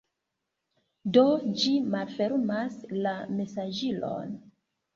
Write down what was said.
Do, ĝi malfermas la mesaĝilon